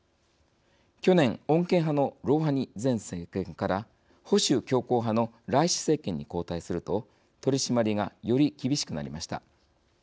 去年、穏健派のロウハニ前政権から保守強硬派のライシ政権に交代すると取締りが、より厳しくなりました。